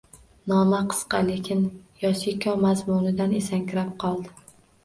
Noma qisqa, lekin Yosiko mazmunidan esankirab qoldi